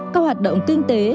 các hoạt động kinh tế